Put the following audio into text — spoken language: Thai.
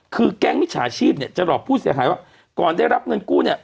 คือแก๊งมิจฉาชีพเนี่ยจะหลอกผู้เสียหายว่าก่อนได้รับเงินกู้เนี่ย